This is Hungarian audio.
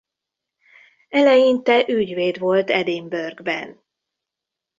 Eleinte ügyvéd volt Edinburghben.